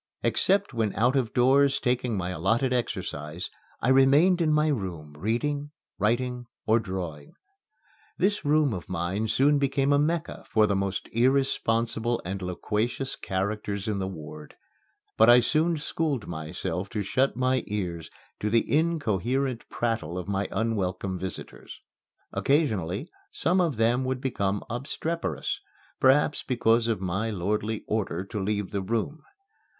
Except when out of doors taking my allotted exercise, I remained in my room reading, writing, or drawing. This room of mine soon became a Mecca for the most irrepressible and loquacious characters in the ward. But I soon schooled myself to shut my ears to the incoherent prattle of my unwelcome visitors. Occasionally, some of them would become obstreperous perhaps because of my lordly order to leave the room.